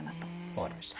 分かりました。